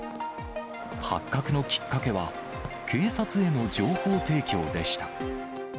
発覚のきっかけは、警察への情報提供でした。